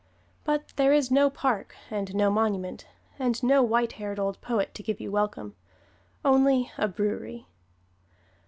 But there is no park, and no monument, and no white haired old poet to give you welcome only a brewery.